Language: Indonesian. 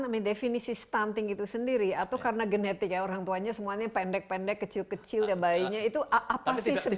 namanya definisi stunting itu sendiri atau karena genetik ya orang tuanya semuanya pendek pendek kecil kecil ya bayinya itu apa sih sebenarnya